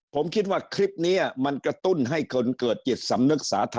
ผมคิดว่าคลิปนี้มันกระตุ้นให้คนเกิดจิตสำนึกสาธ